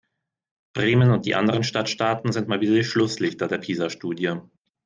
Bremen und die anderen Stadtstaaten sind mal wieder die Schlusslichter der PISA-Studie.